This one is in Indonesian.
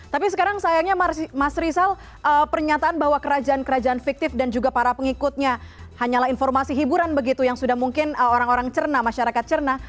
tapi sekarang sayangnya mas rizal pernyataan bahwa kerajaan kerajaan fiktif dan juga para pengikutnya hanyalah informasi hiburan begitu yang sudah mungkin orang orang cerna masyarakat cerna